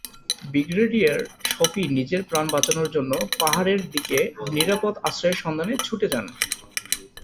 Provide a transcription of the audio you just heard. Brigadier Shafi নিজের প্রাণ বাঁচানোর জন্য পাহাড়ের দিকে নিরাপদ আশ্রয়ের সন্ধানে ছুটে যান।